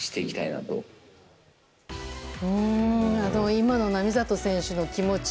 今の並里選手の気持ち